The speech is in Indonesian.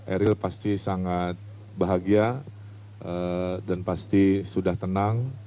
eril pasti sangat bahagia dan pasti sudah tenang